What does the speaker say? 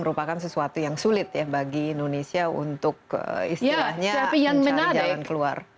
merupakan sesuatu yang sulit ya bagi indonesia untuk istilahnya mencari jalan keluar